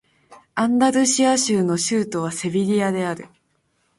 アンダルシア州の州都はセビリアである